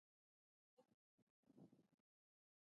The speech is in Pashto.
افغانستان د هندوکش د پلوه ځانته ځانګړتیا لري.